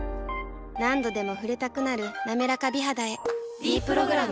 何度でも触れたくなる「なめらか美肌」へ「ｄプログラム」